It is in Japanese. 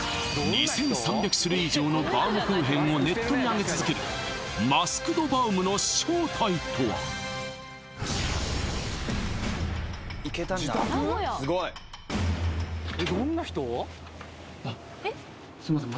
２３００種類以上のバウムクーヘンをネットにあげ続けるマスク・ド・バウムの正体とはすいません